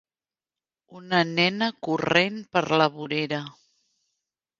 Una nena corrent per la vorera.